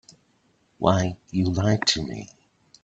Why, you lied to me.